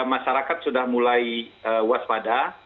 masyarakat sudah mulai waspada